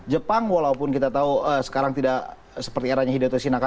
jepang walaupun kita tahu sekarang tidak seperti eranya hidato sinaka